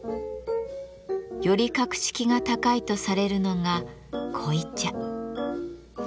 より格式が高いとされるのが濃茶。